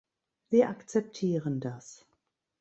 Wir akzeptieren das.